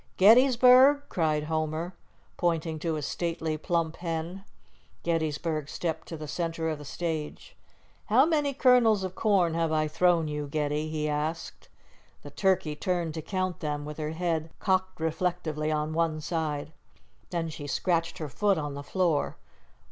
"Gettysburg," cried Homer, pointing to a stately, plump hen. Gettysburg stepped to the center of the stage. "How many kernels of corn have I thrown you, Getty?" he asked. The turkey turned to count them, with her head cocked reflectively on one side. Then she scratched her foot on the floor.